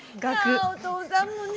あお父さんもね